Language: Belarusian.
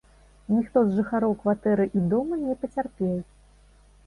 Ніхто з жыхароў кватэры і дома не пацярпеў.